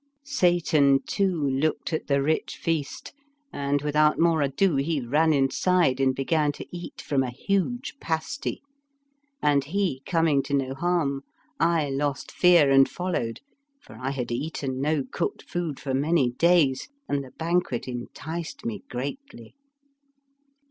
Satan too looked at the rich feast, and, without more ado, he ran inside and began to eat from a huge pasty, and he coming to no harm, I lost fear and followed, for I had eaten no cooked food for many days, and the banquet enticed me greatly.